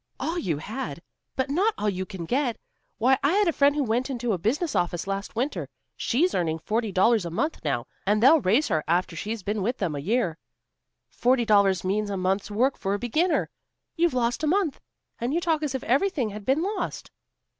"All you had. But not all you can get. Why, I had a friend who went into a business office last winter. She's earning forty dollars a month now, and they'll raise her after she's been with them a year. Forty dollars means a month's work for a beginner. You've lost a month, and you talk as if everything had been lost."